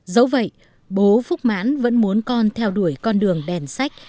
dẫu vậy bố phúc mãn vẫn muốn con theo đuổi con đường đèn sách